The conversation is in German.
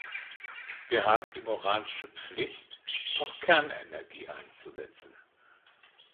Wir haben die moralische Pflicht, auch Kernenergie einzusetzen.